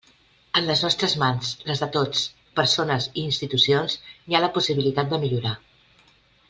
En les nostres mans, les de tots, persones i institucions, hi ha la possibilitat de millorar.